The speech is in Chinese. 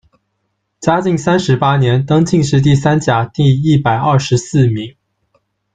嘉靖三十八年，登进士第三甲第一百二十四名。